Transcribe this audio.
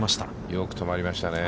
よく止まりましたね。